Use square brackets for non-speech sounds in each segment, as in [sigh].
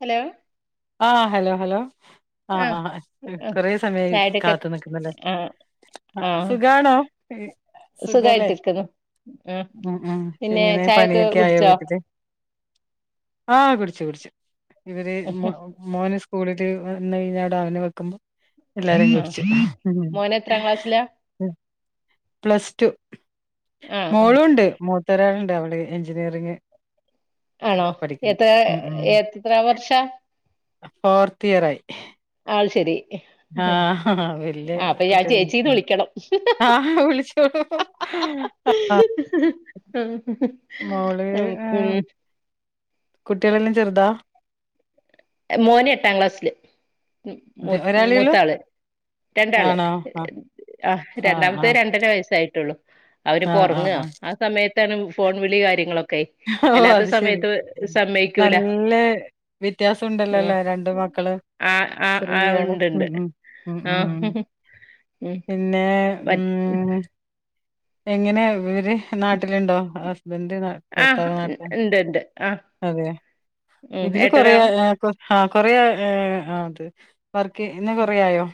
Hello ആഹ hello hello ആഹ ആഹ് ആഹ ആഹ് കൊറെ സമയ ചായുടിയൊക്കെ കാത്ത നിക്കുന്നല്ലേ ആഹ് ആ ആഹ് സുഖണോ സുഖല്ലേ സുഖായിട്ടിരിക്കുന്നു ആഹ് ഉ പിന്നെ ഇങ്ങനെ ചായൊക്കെ പണിയൊക്കെ ആയോ കുടിച്ചോ വീട്ടില് ആഹ കുടിച്ചു കുടിച്ചു ഇവര് മോനു സ്കൂളിട്ട് വന്ന് കഴിഞ്ഞാ അട അവനെക്ക്പോൾ എല്ലാരും കുടിച്ചു ആഹ് മോന് എത്രാം ക്ലാസ്സിലാ പ്ലസ് ടു ആഹ് ആഹ് മോളുംണ്ട് മൂത്തൊരാളുണ്ട് അവള് എഞ്ചിനീയറിങ് ആണോ പഠിക്കുന്നു എത്ര എത്ര വർഷ ഫോർത്തിഇയർ അത് ശരി ആഹ് ആഹ വല്യ അപ്പൊ ഞാൻ കുട്ടികള ചേച്ചീന്ന് വിളിക്കണം ആഹ് വിളിച്ചോ മോള ഉം ഏ കുട്ടികളെല്ലാം ചെറുതാ മോന് എട്ടാം ക്ലാസ്സില് മു അതെ ഒരാളെയുള്ളൂ മൂത്താള് രണ്ടാള് ആണോ ആ ആ രണ്ടാമത്തെ രണ്ടര വയസ്സായിട്ടുള്ളു അവര് ആ ആ ഉറങ്ങുവാ ആ സമയത്താണ് ഫോൺ വിളി കാര്യങ്ങളൊക്കെ ഓ അല്ലാത്ത അത് ശരി സമയത്ത് സമ്മയിക്കൂല നല്ല വ്യത്യാസ ഉം ണ്ടല്ലല്ലേ രണ്ട് മക്കള് ആ ആ ആ ശ്രീയാണ് ഉണ്ട്ണ്ട് ഉ ആ ഉം പിന്നെ മറ്റ് ഉം എങ്ങനെ ഇവര് നാട്ടിലുണ്ടോ ആ ഭർത്തകനാട്ടം ഉണ്ട് ഉണ്ട് ആ അതെ ഉം ഇതില് കൊറ ഏട്ടനോ ആഹ കൊറ ആ അത് വർക്ക് ഇന്ന് കൊറയയോ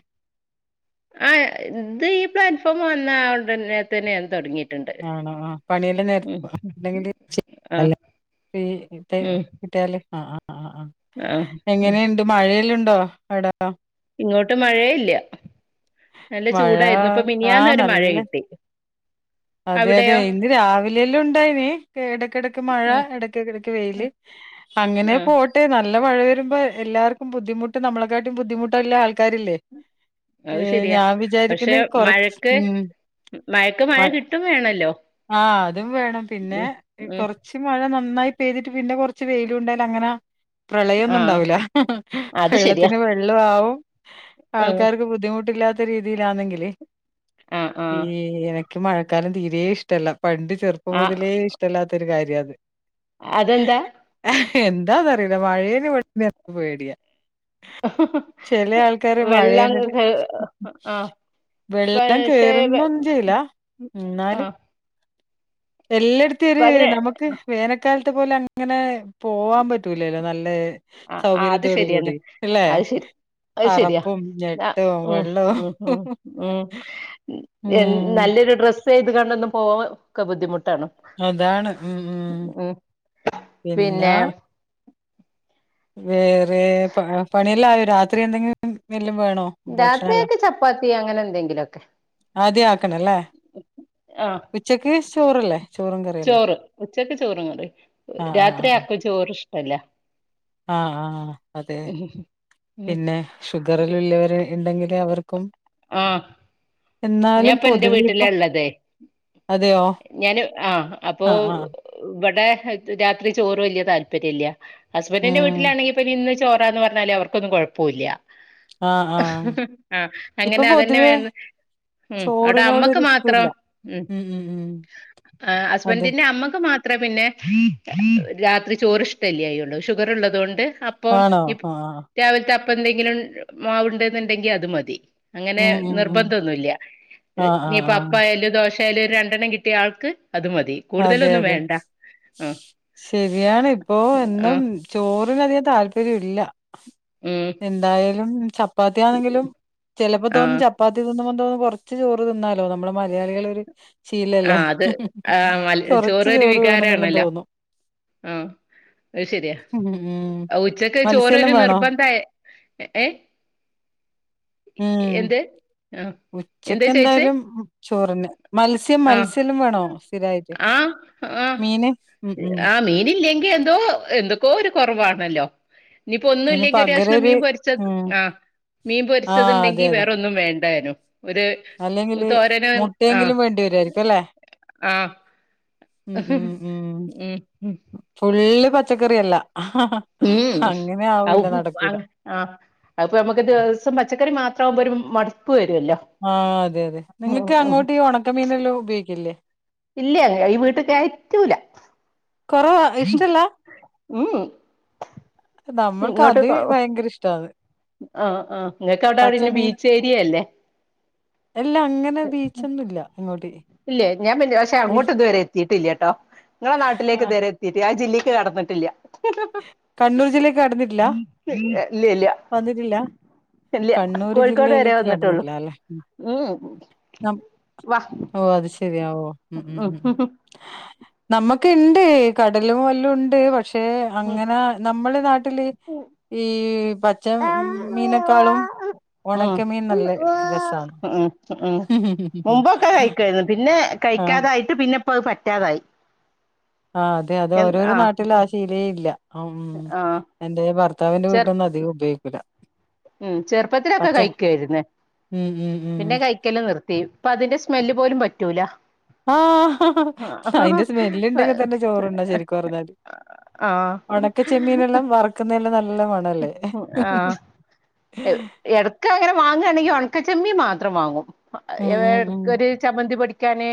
ആ് ഇത് ഈ പ്ലാറ്റ്ഫോം വന്നണ്ടന്നെ തന്നെയ തുടങ്ങിട്ട ആണോ ആപണിയെല്ലാം നേരത്തെെങ്ക ആ ഉം കട്ടല് ആ ആ ആ എങ്ങനെയുണ്ട് മഴയെല്ല ഉണ്ടോ അവിടാ ഇങ്ങോട്ട് മഴയ ഇല്ല നല്ല മഴ ചൂടായിരുന്നു ഇപ്പൊ ആഹ് മിനിയാന്നവരെ മഴ നല്ല കിട്ടി അതെ അതെ അവിടെയോ ഇന്ന് രാവിലെല്ലാം ഉണ്ടായിന ഇടയ്ക്കിടയ്ക്ക് മഴ ഉം ഇടക്ക്ക്കിടക്ക് ആ വെയിയില് അങ്ങനെ ആ പോട്ടെ നല്ല നല്ല മഴ വരുമ്പോ എല്ലാവർക്കും ബുദ്ധിമട്ട് നമ്മളെക്കാട്ടും ബുദ്ധിമുട്ടല്ല ആൾക്കരില്ലേ ഏ അത് ശരിയാ ഞാൻ പക്ഷെ വിചാരിക്കുന്ന കൊറച്ച് മഴക്ക് ഉ മഴക്ക് മ മഴ കിട്ടും വേണല്ലോ ആ അതും വേണം പിന്നെ ഉം ഉം കുറച്ച് മഴ നന്നായി പെയ്തിട്ട് പിന്നെ കുറച്ച് വെയിലുണ്ടായല്ല അങ്ങനെ ആഹ് പ്രളയംൊന്നുംണ്ടാവൂില്ല അത് ശരിയാ വെള്ളത്തിന് വെള്ള ആവും ഉം ആൾക്കാർക്ക് ബുദ്ധിമുട്ടില്ലാത്ത ഇ രീതിയിലാണെങ്കില് ആഹ് ഈ ആഹ് എനക്ക് മഴക്കാലം തീരെ ഇഷ്ടമല്ല പണ്ട് ചെറുപ്പം ആഹ് മുതലേ ഇഷ്ടല്ലാത്തോരു കാര്യത്. അതെന്താ എന്താ വെ [unintelligible] മഴേന് [unintelligible] പേടിയാ ചെലേ ആൾക്കാര് വെള്ളം മയേന്ന്ലെ ആഹ് വെള്ളം പക്ഷേ കേറുന്നൊന്നും ചെയ്ല ന്നാലും ആഹ് എല്ലായിടത്ത ഒരു പതിനെ നമുക്ക് വേനൽക്കാൽ ത്തെ പോലെ അങ്ങനെ പോവാൻ പറ്റൂലല്ലോ നല്ലേ അഹ് ആഹ് അത് ശരിയെന്നെ അഹ് ശരി അഹ് ശരിയാ അറപ്പും ഞ ഞെട്ടവും ഉം വെള്ളവും. ഉം ഉം ഉം ഉം എൻ ഉം നല്ലൊരു ഡ്ര ചെയ്ത് കാണ്ടൊന്നും പോവാൻ ക്ക ബുദ്ധിമു ട്ടാണ്. അതാണ്. ഉം ഉം പിന്നെ പിന്നാ വേറെ പാ പണിയല്ലയോ രാത്രി യെന്തെങ്കിലും രാത്രിയൊക്കെ ചപ്പാത്തി അങ്ങനെ എന്തെങ്കിലൊക്കെ ആദ്യം ആക്കണല്ലേ ആഹ് ഉച്ചക്ക് ചോറല്ലേ ചോറും കറിയല്ലേ ചോറ് ഉച്ചക്ക് ചോറും ങ്ങറി ആ രാത്രിയാ ആക് ചോറ് ഇഷ്ടല്ല ആഹ് ആഹ് അതെ ഉം പിന്നെ ഷുഗറില് ള്ളവര് ഇണ്ടെങ്കില് അവർക്കും ആഹ് എന്നാലും ഞാപ ന്റെ പൊതുവെ വീട്ടില ഇപ്പൊ ള്ളതെ അതെയോ ഞന് ആഹ് അപ്പൊ ആ ആ ബടെ ഹേക് രാത്രി ചോറ് വല്യ താല്പര്യല്യ. ഹസ്ബൻന്റിന്റെ ഉം വീട്ടിലാണെങ്കിപിന്നെ ഇന്ന് ചോറാന്ന് പർഞ്ഞാല് അവർക്കൊന്നും കൊഴ്പ്പൂല്ലാ ആ ആ ആഹ് ഇപ്പൊ അങ്ങനെ അതന്നെ പൊതുവെ വേണം ഉം അവിടെ അമ്മക്ക് ചോറിനോടൊരു മാത്രം ഇഷ്ടല്ല ഉം ഏ അതെ ഹസ്ബന്റ്ന്റെ അമ്മക്ക് മാത്രേ പിന്നെ രാത്രി ചോറി ഇഷ്ടല്ല്യായിള്ളൂ ഷുഗറ് ഉള്ളതുകൊണ്ട് അപ്പം ആണോ ഇപ് ആ ആ രാവിൽത്തെ അപ്പ എന്തെങ്കിലും മാവുണ്ടെന്നുണ്ടെങ്കി അത് മതി അങ്ങനെ ഉം ഉം ഉം നിർബന്ധോന്നുല്ല ആ ആ നീപ്പ ആ അപ്പയാലു ദോശ യാലും ഒരു രണ്ടെണ്ണം കിട്ടിയാ ആൾക്ക് അത് മതി അതെ കൂടുതലൊന്നും അതെ വേണ്ട ഉം ശരിയാണ് ഇപ്പോ എന്നും ആഹ് ചോറിനധികം താല്പര്യ ഇല്ലാ ഉം എന്തായാലും ചപ്പാത്തിയാണെങ്കിലും ചെലപ്പോ തോന്നും ആഹ് ചപ്പാത്തി തിന്നുമ്പം തോന്നു കൊറച്ച് ചോറ് തിന്നാലോ നമ്മളെ മലയാളികളെ ഒരു ശീലല്ലേ ആഹ് അത് ആഹ് മല കൊറച്ച് ചോറൊരു ചോറ് വേണന്നെല്ലാം വികാരാണല്ലോ തോന്നും അ അത് ശരിയാ ഉം ഉം ഉച്ചക്ക് മത്സ്യല്ലാം ചോറൊരു വേണോ നിർബന്തായ എ ഏഹ് ഉം എന്ത് ആഹ് എന്താ ചോയിച്ചേ ഉച്ചക്കെന്തായാലും ചോറ്ന്നേ മൽ ആഹ് ആഹ് ആഹ് മീന് ഉം ഉം ആ മീനില്ലങ്കി എന്തോ പ്പൊ എന്തൊക്കോ ഒരു കൊറവാണല്ലോ ഇനിയിപ്പോ ഒന്നും അതിന് ഇല്ലെങ്കി ഒരു പകരം കഷ്ണം മീൻ പൊരിച്ചത് ഉം ആ മീൻ ആഹ് അതെ പൊരിച്ചത്ണ്ടെങ്കി അതെ വേറെ ഒന്നും വേണ്ടാനും. ഒരു അല്ലെങ്കില് തോരന് ആഹ് മുട്ടയെങ്കിലും വേണ്ടിവരുവായിരിക്കും അല്ലേ ആഹ് ഉം ഉം ഉം ഫുള്ള് പച്ചക്കറിയല്ല ഹാ അങ്ങനെയാ ആവുപുപ്പ് ആങ് ആ അതിപ്പം നമ്മക്ക് ദിവസം പച്ചക്കറി മാത്രമാകുമ്പോ ഒരു മടുപ്പ് വരും ആ അതെ അതെ നിങ്ങക്ക് അങ്ങോട്ട് ഈ ഉണക്കമീനെല്ലാം ഉപയോഗിക്കില്ലേ ഇല്ല്യ ഈ വീട്ടി കയറ്റൂല കൊറവാ ഇഷ്ടല്ല ഉം നമ്മൾക്ക് ഇങ്ങോട്ട് അത് ഭയങ്കര ഇഷ്ടാണ് ആഹ് ആഹ് ഇങ്ങക്ക് അവിടെ പിന്നെ ബീച്ച് ഏരിയല്ലേ? എല്ലാ അങ്ങനെ ബീച്ചൊന്നുല്ല അങ്ങോട്ട് ഇല്ലേ ഞാൻ പിന്നെ പക്ഷെ അങ്ങോട്ട് ഇതുവരെ എത്തിയിട്ടില്ല ട്ടോ ഇങ്ങളെ നാട്ടിലേക്ക് ആഹ് ഇതുവരെ എത്തിയിട്ട് ആ ജില്ലേ ക്ക് കടന്നിട്ടില്ല കണ്ണൂർ ജില്ലക്ക് കടന്നിട്ടില്ല ഇല്ല ഇല്ല വന്നിട്ടില്ല ഇല്ല കണ്ണൂർ കോഴിക്കോട് വരെ ജില്ലയിലേക്ക് വന്നിട്ടുള്ളൂ കടന്നിട്ടില്ല അല്ലെ ഉം നം വാ ഓ അത് ശരിയാവോ ഉം ഉം ഉം ഹ് നമ്മക്ക് ഇണ്ട് കടലു പോലെ ഉണ്ട് പക്ഷേ അങ്ങനെ നമ്മുടെ നാട്ടില് ഈ പച്ച മീനേക്കാളും ഉം വാവൂ ഉം ഉം മുമ്പൊക്കെ കഴിക്കുവായിരുന്നു പിന്നെ ആഹ് കഴിക്കാതായിട്ട് പിന്നെ പിന്നിപ്പം അത് പറ്റാതായി ആ അതെ അതെ ഓരോരോ നാട്ടില് ആ ശീലേ ഇല്ല അമ് ആ എന്റെ ഭർ ഭർത്താവിന്റെ ചെർ വീട്ടീന്ന് അധികം ഉപയോഗിക്കൂല ഉം ചെറുപ്പത്തിലൊക്കെ പച്ച കഴിക്കുവായിരുന്നേ ഉം ഉം ഉം പിന്നെ കഴിക്കെല്ലാം നിർ പി ഇപ്പ അതിന്റെ സ്മെല്ല് പോലും പറ്റൂല ആഹ് ആ അയിന്റെ സ്മെല്ല് അഹഹ ഇണ്ടെങ്കി തന്നെ ചോറുണ്ണാ ശരിക്കും പറഞ്ഞാല് ഒണക്ക ചെമ്മീനെല്ലാം വറക്കുന്നെല്ലാം നല്ല മണല്ലേ ആ ആ ഏവൂ എടക്ക ഇങ്ങനെ വാങ്ങുയാണെങ്കിൽ ഉണക്ക ചെമ്മീൻ മാത്രം വാങ്ങും പ്പ ഉം ഏട് ഉം ഉം എനക്കൊരു ചമ്മന്തി പൊടിക്കാന്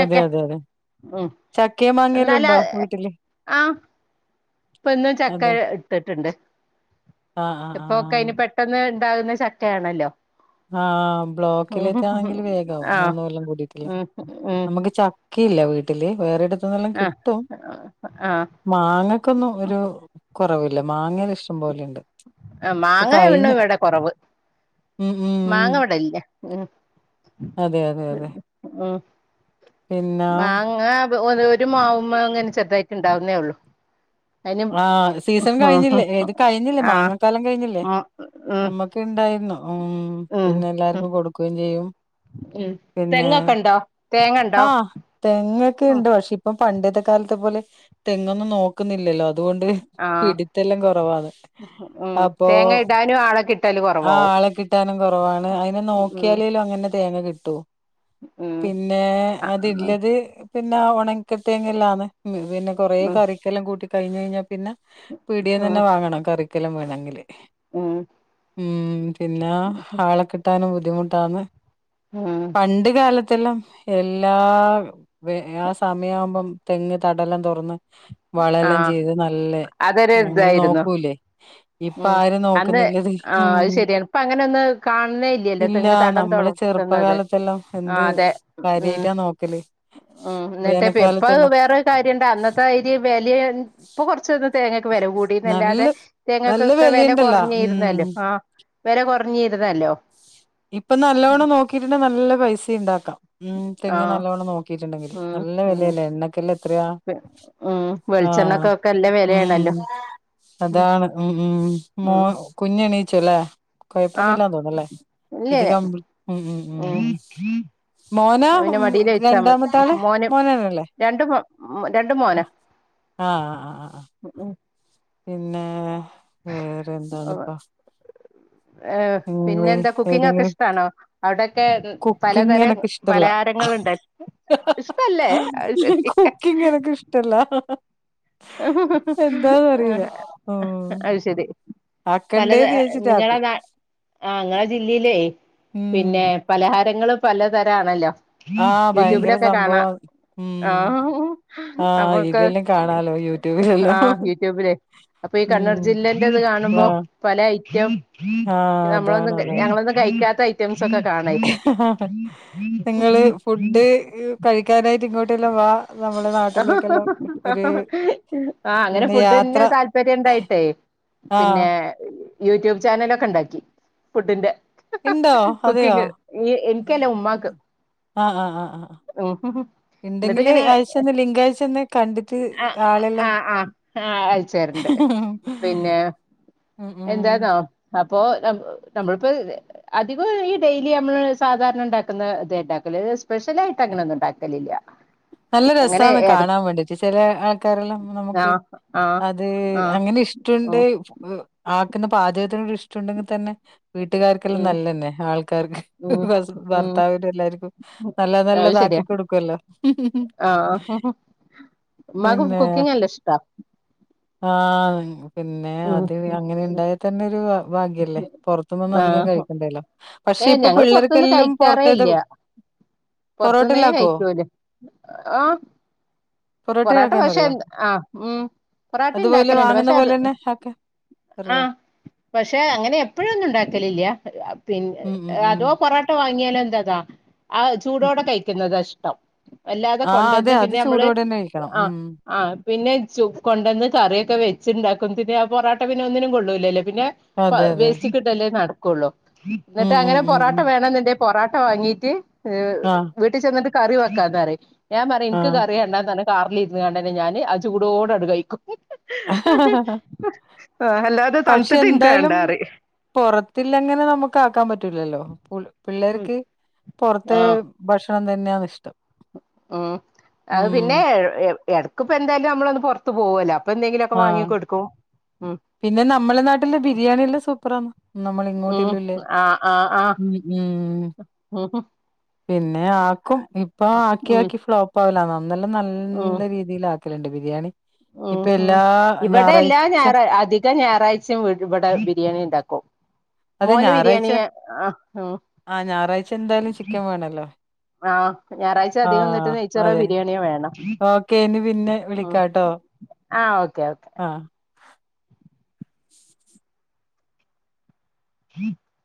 അതെ അതെ അതെ ഉം ചക്കയും മാങ്ങയും വല്ലോ എന്നാലാ ഉണ്ടോ വീട്ടില് ഇപ്പ എന്നും ചക്ക അതെ ഇട്ടിട്ടുണ്ട് ആഹ് ആഹ് എപ്പോക്കെ ആഹ് ഇനി പെട്ടെന്ന് ഉണ്ടാകുന്ന ചക്കയാണല്ലോ ആ ബ്ലോക്കിലത്തേ ആണെങ്കിൽ വേഗ ആവും ആഹ് മൂന്ന് കൊല്ലം കൂടീട്ടല്ലേ ഉം ഉം നമ്മുക്ക് ച ക്കിയില്ല വീട്ടില് വേറെടുത്തുന്നെല്ലാം ആഹ് കിട്ടും ആഹ് മാങ്ങക്കൊന്നും ഒരു കൊറവില്ല മാങ്ങയെല്ലാം ഇഷ്ടം പോലെയുണ്ട് ആ ഇപ്പൊ മാങ്ങ പിന്നെ കഴിഞ്ഞു ഇവിടെ കുറവ് ഉം ഉം മാങ്ങ ഇവിടെ ഇല്ല [unintelligible] അതെ അതെ അതെ ഉം പിന്നാ മാങ്ങ ഒരു മാവുമേ അങ്ങനെ ചെറുതായിട്ട് ണ്ടാവുന്നേ ഉള്ളൂ ആ സീസൺ കഴിഞ്ഞില്ലേ ഏത് കഴിഞ്ഞ് ല്ലേ ആഹ് മാങ്ങക്കാലം കഴിഞ്ഞില്ലേ ആഹ് ഉം നമ്മക്കിണ്ടായിരുന്നു ഉം പിന്നെ ഉം എല്ലാർക്കും കൊടുക്കുവേ ഉം പിന്നെ തെങ്ങൊക്കെ ഉണ്ടോ തേങ്ങ ഉണ്ടോ ആ ഉം തെങ്ങൊക്കെണ്ട് പക്ഷെ ഇപ്പം പണ്ടത്തെ കാലത്തെ പോലെ തെങ്ങൊന്നും നോക്കുന്നില്ലല്ലോ അതുകൊണ്ട് ആഹ് പിടിത്തെല്ലാം കൊറവാണ് ഉം അപ്പൊ തേങ്ങ ഇടാനും ആളെ കിട്ടല് ആ കുറവാവും ആളെ കിട്ടാനും കുറവാണ് അയിനെ ഉം നോക്കിയാലേലും അങ്ങനെ തേങ്ങ കിട്ടുവോ ഉം പിന്നെ ആഹ് അതില്ലത് പിന്നെ ഉണക്ക തേങ്ങയില്ലാന്ന് ഉം പിന്നെ കൊറേ ഉം കറിക്കെല്ലാം കൂട്ടി കഴിഞ്ഞ് കഴിഞ്ഞാ പിന്നെ പിടിയം ഉം തന്നെ വാങ്ങണം കറി ങ്കിലും വേണമെങ്കിൽ ഉം ഉം പിന്നെ ആളെ കിട്ടാനും ബുദ്ധിമുട്ടാന്ന് ഉം പണ്ട കാലത്ത് അതെല്ലാം എല്ലാ ആ സമയമാകുമ്പോ തെങ്ങ് തടല്ലാം തുറന്ന് ഉം വളം ല്ലാം ആഹ് ചെയ്ത് നല്ല അതൊരു അങ്ങനെ ഇതായിരുന്നു നോക്കൂലേ ഇപ്പ ഉം ആരും അന്ന് നോക്കുന്നില്ലത് ആഹ് അത് ഉം ശരിയാണ് ഇപ്പ അങ്ങനൊന്ന് കാണുന്നേ ഇല്ലല്ലോ ഇല്ല തെങ്ങ് തടം നമ്മളെ തുറക്കുന്നത് ചെറുപ്പകാലത്തെല്ലാം എന്ത് ആഹ് അതെ ഉം കാര്യായിട്ടാ നോക്കല് ഉം എന്നിട്ട്പ്പ എപ്പ വേനൽക്കാലത്തെല്ലാം വേറൊരു കാര്യം ഇണ്ടാ അന്നത്തെ ഇര് വെലഇപ്പൊ കൊറച്ച വില നല്ല കൂടല്ലാതെ നല്ല തേങ്ങക്കൊക്കെ വില വെലയുണ്ടല്ലോ ഉം കുറഞ്ഞിരുന്നാലും ആ വില ഞ്ഞിരുന്നല്ലോ ഇപ്പൊ നല്ലവണ്ണം നോക്കിട്ടുണ്ട നല്ല പൈസ ഉണ്ടാക്കാം ഉം തെങ്ങ് ആഹ് നല്ലവണം നോക്കിട്ട ണ്ടെങ്കിൽ ഉം നല്ല ഉം വിലല്ലേ എണ്ണക്കല്ല അത്രയാ ഉം ആ വെളിച്ചെണ്ണക്കൊക്കെ നല്ല വെലയാണല്ലോ ഉം അതാണ് ഉം ഉം മോ ഉം കുഞ്ഞ് എണീച്ചോല്ലെ ആഹ് കുഴപ്പൊന്നുമില്ലാ തോന്നല്ലേ ഇത് ഇല്ലില്ല ക ഉംഉം ഉം മോനാ പിന്നെ ഉം മടീല് വെച്ചാ മതി രണ്ടാമത്താള് മോനെന്നയല്ലേ ഉം രണ്ടും മോനാ ആഹ് ആഹ് ആഹ് ആഹ് പിന്നെ വേറെ ഉം എന്താണ്പ്പാ ഏഹ് ഉം പിന്നെ എന്താ കുക്കിങ്ങ് ഒക്കെ എവിടെയെങ്കിലും ഇഷ്ട്ടാണോ അവിടൊക്കെ കുക്കിംഗ് പലതരം എനക്ക് ഇഷ്ടല്ല പലഹാരങ്ങൾ [unintelligible] ഇഷ്ട്ടല്ലേ അത് ശരി കുക്കിംഗ് എനക്ക് ഇഷ്ടല്ല എന്താന്ന് അറിയില്ല ഉം അത് ശരി പലത ആക്കണ്ടേന്ന് വിചാരിച്ചിട്ട് നിങ്ങളെ ആക്കും നാ ആഹ് ഇങ്ങളെ ജില്ലയിലെ [unintelligible] ഉം പിന്നെ പലഹാരങ്ങള് പലതരം ആണല്ലോ ആഹ് ഭയങ്കര യൂട്യൂബിലൊക്കെ കാണാം സംഭവം ഉം ആഹ് ആഹ് അപ്പൊക്കെ ഇതിലെല്ലാം കാണാലോ യൂട്യൂബിലെല്ലാം ആഹ് യൂട്യൂബിലെ അപ്പൊ ഈ കണ്ണൂർ ഉം ജില്ലന്റെ ഇത് കാണുമ്പോ ആഹ് പല ഐറ്റം ആഹ് നമ്മളൊന്നും അതാണ് ക അതാണ് ഞങ്ങളൊന്നും കഴി ക്കാത്ത ഐറ്റ് സൊക്കെ കാണേയ് നിങ്ങള് ഫുഡ് കഴിക്കാനായിട്ട് ഇങ്ങോട്ടെല്ലാം വാ നമ്മുടെ നാട്ടിലേക്കെല്ലാം ഒരു ആഹ് അങ്ങനെ പിന്നെ യാത്ര ഫുഡെന്നെ താല്പര്യം ഇണ്ടാ ണ്ടായിട്ടെ ആഹ് പിന്നെ യൂട്യൂബ് ചാനലൊക്കെ ഇണ്ടാക്കി ഫുഡിന്റെ ഇണ്ടോ അതെയോ കുക്കിങ് ഇ എനിക്കല്ല ഉമ്മാക്ക് ആഹ് ആഹ് ആഹ് ആഹ് ഉം ഇൻ എന്നിട്ട് ഇണ്ടെങ്കില് ഇങ്ങനെ അയച്ചന്ന് ലിങ്ക് അയച്ചന്ന് കണ്ടിട്ട് ആഹ് ഞാളെയെല്ലം ആഹ് ആഹ് ആഹ് അയച്ചേരണ്ട് പിന്നെ ഉമ് ഉമ് അപ്പോ നമ്മളിപ്പോ അധികം ഈ ഡെയ്ലി നമ്മള് സാധാരണ ഇണ്ടാക്കുന്ന ഇത് ഉണ്ടാക്ക ത് സ്പെഷ്യലായിട്ട് അങ്ങനെ ഒന്നും ഉണ്ടാക്കലില്ല. നല്ല അങ്ങനെ രസാന്ന് എട കാണാൻ വേണ്ടിട്ട് ചില ആൾക്കാരെല്ലാം നമുക്ക് ആഹ് ആഹ് അത് ആഹ് അങ്ങനെ ഇഷ്ടണ്ട് ഉം ആക്കുന്ന പാചകത്തിൻ ഇഷ്ടണ്ടെങ്കി തന്നെ വീട്ടുകാർക്കെല്ലാം ഉം നല്ലന്നെ ആൾക്കാർക്ക് ഉം ഉം ഭർത്താവിനും എല്ലാവർക്കും ഉം. നല്ല അത് നല്ലത ആക്കി ശരിയാ കൊടുക്കല്ലോ ആഹ് മ്മാക് പിന്നെ കുക്കിങ്ങ് നല്ല ഇഷ്ട ആഹ് പിന്നെ അത് അങ്ങനെ ഇണ്ടായ തന്നെ ഒരു ഭാഗ്യല്ലേ പുറത്തന്ന് അധികം ആഹ് കഴിക്കണ്ടല്ലോ പക്ഷ പക്ഷെ ഏഹ് ഇപ്പ ഞങ്ങള് പിള്ളേർക്കെല്ലും പുറത്തേത് പുറത്ത് ന്നെ പൊറോട്ടയിലാക്കോ കഴികോൽ ആഹ് പൊറാട്ട പൊറോട്ടയാക്കാൻ പക്ഷെ അറിയോ ആഹ് ഉമ് പൊറാട്ടെ അതുപോലെ ഇണ്ടാക്കലണ്ട് വാങ്ങുന്ന പക്ഷെ അത് പോലെ തന്നെ ആക്കാൻ അറിയോ ആഹ് പക്ഷെ അങ്ങനെ എപ്പോഴൊന്നും ഉണ്ടാക്കലില്ല [unintelligible] പിന്ന ഉം ഉം ഉം അതോ പൊറോട്ട വാങ്ങിയാലോ ന്തതാ ആഹ് ചൂടോടെ കഴിക്കുന്നത ഇഷ്ടം അല്ലാതെ ആ അതെ കൊണ്ടോന്ന് അത് പിന്നെ നമ്മള് ചൂടോടെ തന്നെ കഴിക്കണം ആഹ് ഉം ആഹ് പിന്നെ ചു കൊണ്ടന്ന് കറിയൊക്കെ വെച്ചിണ്ടാ ന്തിന് പൊറാട്ട പിന്നെ ഒന്നിനും കൊള്ളൂല്ലല്ലേ പിന്നെ പാ അതെ അതെ വേസ്റ്റിക്കിട്ടല്ലേ നടക്കുള്ളൂ. ഉം എന്നിട്ട് ഉം അങ്ങനെ ഉം പൊറോട്ട ഉം വേണോ ന്നുണ്ടെങ്കിൽ പൊറോട്ട വാങ്ങീട്ട് ഏഹ് ആ വീട്ടി ചെന്നിട്ട് കറി വക്കാന്നറി ഞാൻ പറയും ആ ഇന്ക് കറി വേണ്ട കാറിലിരിന്നാണ്ട് ന്നെ ഞാൻ അത് ചൂടോടെ കഴിക്കും. ആഹ് അല്ലാതെ തണുത്തിട്ട് ഇൻക്ക് വേണ്ടാറിയും പൊർത്തില്ലങ്ങനെ നമുക്ക് ആക്കാൻ പറ്റൂലല്ലോ പു ഉം പിള്ളേർക്ക് പൊർത്ത് ആഹ് ഭക്ഷണം തന്നെയാ ഇഷ്ടം. ഉം അത് ഉം പിന്നെ എടക്ക്പ്പെന്തായാലും നമ്മളൊന്ന് പൊർത്ത് പോവല്ലോ പ്പ ന്തെലൊക്കെ ആ വാങ്ങി കൊടുക്കും ഉം പിന്നെ നമ്മളെ നാട്ടില് ബിരിയാണി എല്ലാം സൂപ്പറ ഉം നമ്മളിങ്ങോട്ട്ല്ലല്ലേ ആഹ് ആഹ് ആഹ് ഉംഉം. ഉം പിന്നെ ആക്കും ഇപ്പ ആക്കി ഉം ആക്കി ഫ്ലോപ്പാവല അന്നെല്ലാം ഉം നല്ല രീതില് ആക്ക ക്കല്ണ്ട് ബിരിയാണി ഉം ഇപ്പൊ ഹു എല്ലാ ഇവിടെ എല്ലാം ഞായറാഴ്ച ഞായർ അധി ല്ലാഞായറാഴ്ചയും ഇവിടെ ബിരിയാണി ഉണ്ടാക്കും. അതെ മോന് ഞായറാഴ്ച ബിരിയാണിയാ ആ ഉം. ആ ഞായറാഴ്ച എന്തായാലും ചിക്കൻ വേണല്ലോ ആ ഞായറാഴ്ച്ച അധികം എന്നിട്ട് നെയ്ച്ചറോ ബിരിയാണിയോ വേണം. ഓകെ പിന്നെ വിളിക്കാട്ടോ ആ ഓക്കെ ഓക്കെ. ആഹ്